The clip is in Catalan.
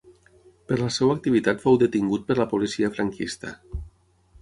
Per la seva activitat fou detingut per la policia franquista.